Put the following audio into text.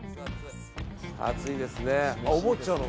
暑いですね。